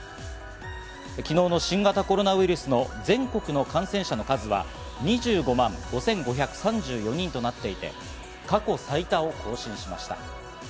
昨日の新型コロナウイルスの全国の感染者の数は２５万５５３４人となっていて、過去最多を更新しました。